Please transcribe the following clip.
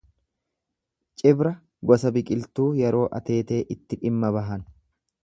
Cibra gosa biqiltuu yeroo Ateetee itti dhimma bahan.